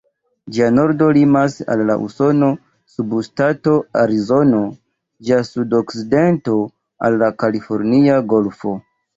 Ĝia nordo limas al la usona subŝtato Arizono, ĝia sud-okcidento al la Kalifornia Golfo.